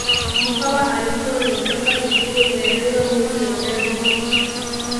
Mkwawa alikuwa ameondoka sehemu za Iringa mwezi wa nane